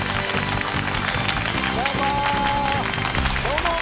どうも！